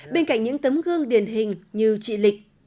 bên cạnh những tấm gương điển hình như chị lịch